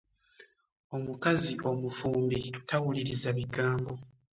Omukazi omufumbi tawuliriza bigambo.